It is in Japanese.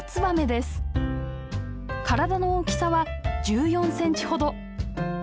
体の大きさは１４センチほど。